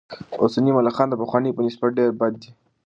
اوسني ملخان د پخوانیو په نسبت ډېر بد دي.